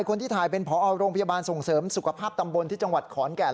คนที่ถ่ายเป็นพอโรงพยาบาลส่งเสริมสุขภาพตำบลที่จังหวัดขอนแก่น